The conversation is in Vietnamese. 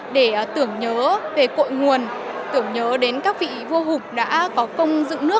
để tưởng nhớ về cội nguồn tưởng nhớ đến các vị vua hùng đã có công dựng nước